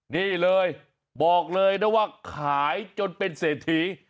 นี่เลยบอกเลยนะว่าขายจนเป็นเศรษฐี